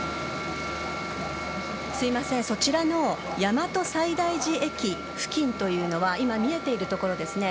そちらの大和西大寺駅付近というのはいま、見えているところですね。